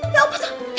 ya apa toh